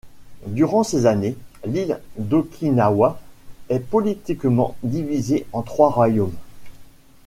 Durant ces années, l'île d'Okinawa est politiquement divisée en trois royaumes.